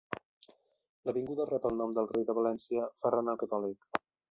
L'avinguda rep el nom del rei de València Ferran el Catòlic.